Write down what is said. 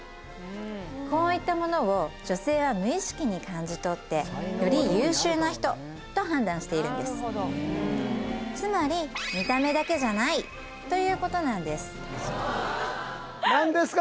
こういったものを女性は無意識に感じ取ってより優秀な人と判断しているんですつまりということなんです何ですか